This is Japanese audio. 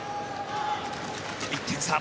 １点差。